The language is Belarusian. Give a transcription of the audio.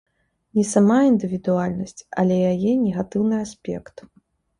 Не сама індывідуальнасць, але яе негатыўны аспект.